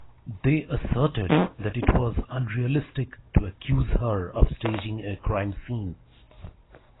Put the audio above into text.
They asserted that it was unrealistic to accuse her of staging a crime scene.